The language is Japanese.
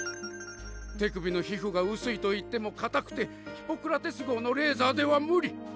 手首の皮膚が薄いといっても硬くてヒポクラテス号のレーザーでは無理。